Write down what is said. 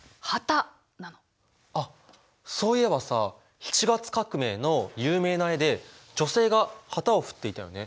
あっそういえばさ７月革命の有名な絵で女性が旗を振っていたよね。